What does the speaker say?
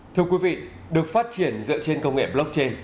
thưa quý vị được phát triển dựa trên công nghệ blockchain